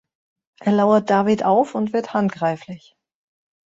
Er lauert David auf und wird handgreiflich.